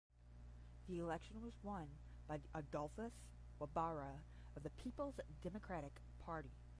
The election was won by Adolphus Wabara of the Peoples Democratic Party.